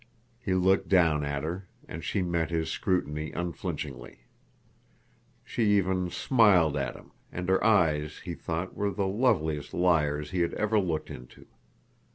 He looked down at her, and she met his scrutiny unflinchingly. She even smiled at him, and her eyes, he thought, were the loveliest liars he had ever looked into.